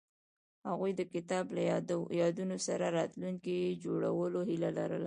هغوی د کتاب له یادونو سره راتلونکی جوړولو هیله لرله.